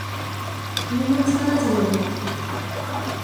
君の力じゃないか